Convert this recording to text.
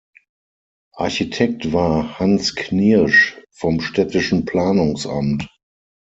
Architekt war "Hans Knirsch" vom Städtischen Planungsamt.